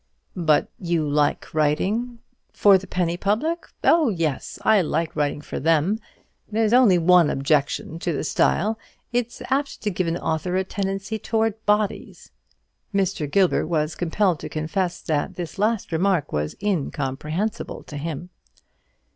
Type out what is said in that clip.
"But you like writing?" "For the penny public? Oh, yes; I like writing for them. There's only one objection to the style it's apt to give an author a tendency towards bodies." Mr. Gilbert was compelled to confess that this last remark was incomprehensible to him.